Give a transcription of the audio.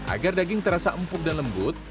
agar daging terasa empuk dan lembut